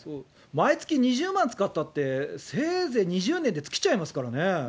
毎月２０万使ったって、せいぜい２０年で尽きちゃいますからね。